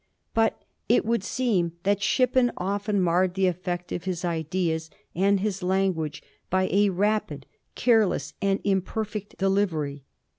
But it would seem that Shippen often marred the efi^ect of his ideas and his language by a rapid, careless, and imperfect delivery.